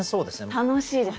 楽しいです。